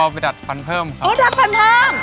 รอไปดัดฟันเพิ่มดัดฟันเริ่ม